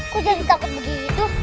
kok jadi takut begitu